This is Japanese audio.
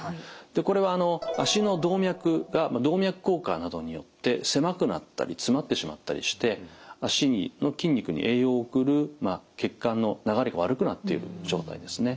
これは足の動脈が動脈硬化などによって狭くなったり詰まってしまったりして足の筋肉に栄養を送る血管の流れが悪くなっている状態ですね。